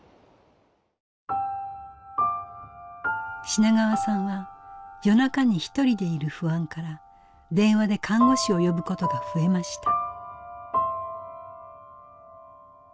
品川さんは夜中にひとりでいる不安から電話で看護師を呼ぶことが増えました。